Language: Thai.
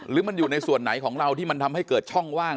หรือมันอยู่ในส่วนไหนของเราที่มันทำให้เกิดช่องว่าง